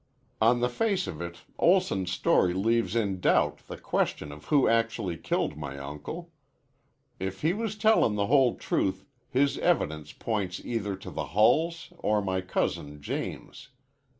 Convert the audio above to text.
"On the face of it Olson's story leaves in doubt the question of who actually killed my uncle. If he was tellin' the whole truth, his evidence points either to the Hulls or my cousin James.